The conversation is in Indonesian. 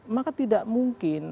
maka tidak mungkin